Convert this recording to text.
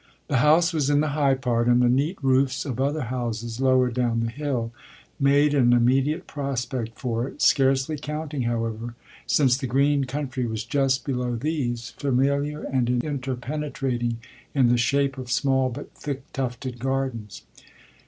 The house was in the high part, and the neat roofs of other houses, lower down the hill, made an immediate prospect for it, scarcely counting, however, since the green country was just below these, familiar and interpenetrating, in the shape of small but thick tufted gardens.